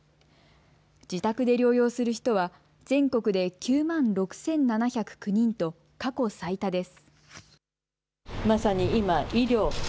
自宅で療養する人は全国で９万６７０９人と過去最多です。